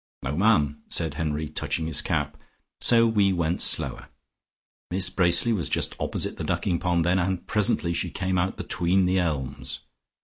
'No, ma'am,' said Henry touching his cap, so we went slower. Miss Bracely was just opposite the ducking pond then, and presently she came out between the elms.